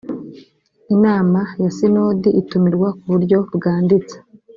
inama ya sinodi itumirwa ku buryo bwanditse